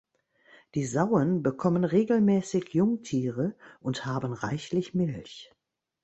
Die Sauen bekommen regelmäßig Jungtiere und haben reichlich Milch.